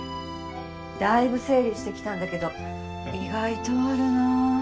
だいぶ整理してきたんだけど意外とあるなぁ。